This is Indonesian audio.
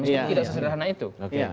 maksudnya tidak sesederhana itu